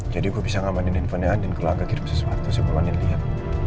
jadi gue bisa ngamanin handphonenya anin kalau anka kirim sesuatu sih kalau anin liat